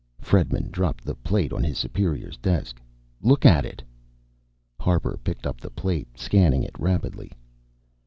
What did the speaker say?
Fredman dropped the plate on his superior's desk. "Look at it!" Harper picked up the plate, scanning it rapidly.